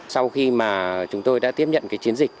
sau khi mà chúng tôi đã tiếp nhận cái chiến dịch